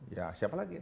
ya siapa lagi